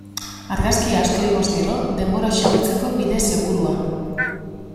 Argazki asko igoz gero, denbora xahutzeko bide segurua.